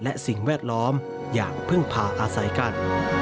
และสิ่งแวดล้อมอย่างพึ่งพาอาศัยกัน